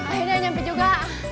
akhirnya nyampe juga